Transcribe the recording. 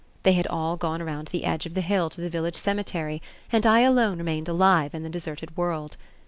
They had all gone around the edge of the hill to the village cemetery, and I alone remained alive in the deserted world.